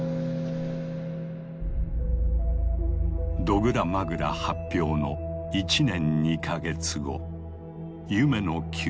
「ドグラ・マグラ」発表の１年２か月後夢野久作